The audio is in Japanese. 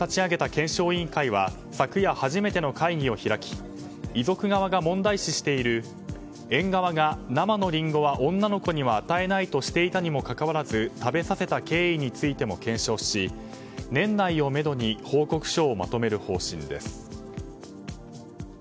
市が立ち上げた検証委員会は昨夜初めての会議を開き遺族側が問題視している園側が生のリンゴは女の子には与えないとしていたにもかかわらず食べさせた経緯についても検証し年内をめどに報告書をまとめる方針です。